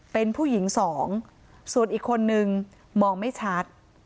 เป็นผู้หญิงสองส่วนอีกคนนึงมองไม่ชัด